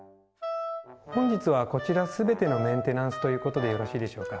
本日はこちら全てのメンテナンスという事でよろしいでしょうか？